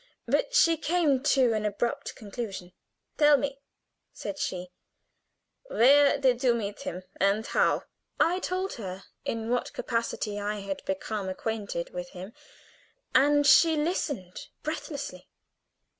but she came to an abrupt conclusion. "Tell me," said she; "where did you meet him, and how?" I told her in what capacity I had become acquainted with him, and she listened breathlessly.